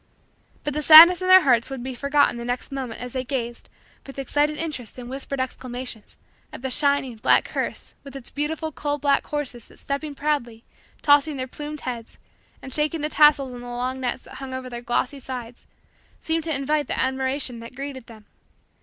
But the sadness in their hearts would be forgotten the next moment as they gazed, with excited interest and whispered exclamations, at the shining, black, hearse with its beautiful, coal black, horses that, stepping proudly, tossing their plumed heads, and shaking the tassels on the long nets that hung over their glossy sides, seemed to invite the admiration that greeted them.